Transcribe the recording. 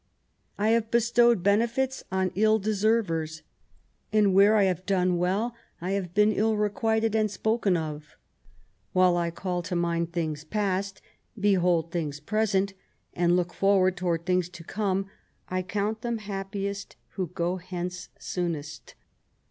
I have bestowed benefits on ill deservers ; and where I have done well, I have been ill requited and spoken of. While I call to mind things past, behold things present, and look forward towards things to come, I count them happiest that go hence soonest.